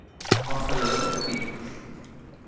Consta de doce capítulos.